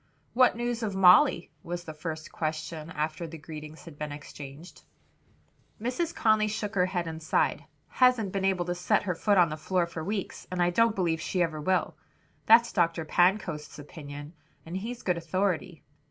"What news of Molly?" was the first question after the greetings had been exchanged. Mrs. Conly shook her head and sighed, "Hasn't been able to set her foot on the floor for weeks, and I don't believe she ever will. That's Dr. Pancoast's opinion, and he's good authority.